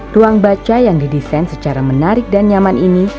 ruang baca yang didesain secara menarik dan nyaman ini